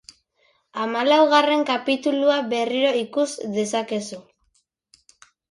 Hamalaugarren kapitulua berriro ikus dezakezu.